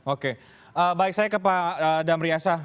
oke baik saya ke pak damriasa